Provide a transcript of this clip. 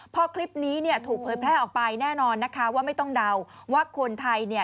พอคลิปนี้เนี่ยถูกเผยแพร่ออกไปแน่นอนนะคะว่าไม่ต้องเดาว่าคนไทยเนี่ย